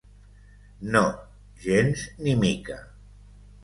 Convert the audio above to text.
No, gens ni mica.